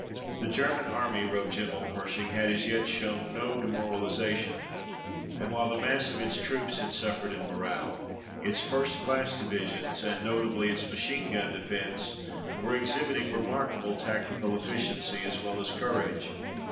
"The German Army," wrote General Pershing, "had as yet shown no demoralization, and while the mass of its troops had suffered in morale, its first class divisions, and notably its machine gun defense, were exhibiting remarkable tactical efficiency as well as courage.